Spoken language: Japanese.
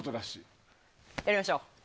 やりましょう。